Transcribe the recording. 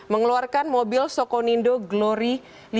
mengeluarkan mobil sokonindo glory lima ratus delapan